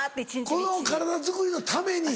この体づくりのために？